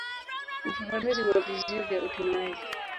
Ufafanuzi wa vizio vya upimaji.